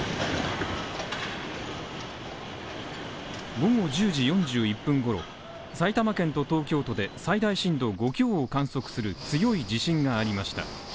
午後１０時４１分ごろ埼玉県と東京都で最大震度５強を観測する強い地震がありました。